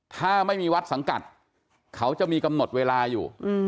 ถ้าไม่มีวัดสังกัดเขาจะมีกำหนดเวลาอยู่